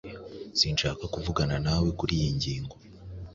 Sinshaka kuvugana nawe kuriyi ngingo.